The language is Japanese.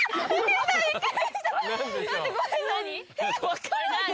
分かんない。